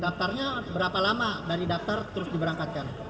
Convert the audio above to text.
daftarnya berapa lama dari daftar terus diberangkatkan